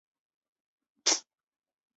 客人进寨前均举行唱拦路歌的迎宾仪式。